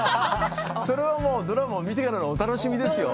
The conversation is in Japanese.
それはもうドラマを見てからのお楽しみですよ。